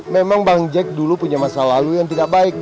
memang bang jack dulu punya masa lalu yang tidak baik